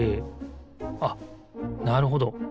あっなるほど。